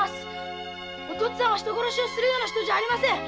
お父っつぁんは人殺しをするような人じゃありません。